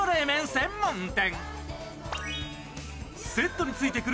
専門店。